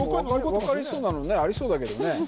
分かりそうなのありそうだけどね